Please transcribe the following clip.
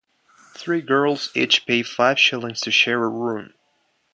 Three girls each pay five shillings to share a room.